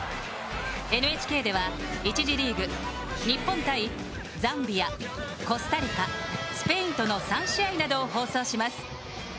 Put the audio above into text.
ＮＨＫでは１次リーグ日本対ザンビア、コスタリカスペインとの３試合などを放送します。